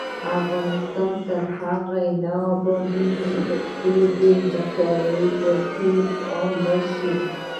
افغانستان تر هغو نه ابادیږي، ترڅو د مطالعې کلتور عام نشي.